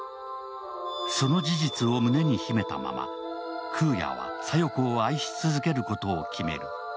その事実を胸に秘めたまま空也は小夜子を愛し続けることを決める。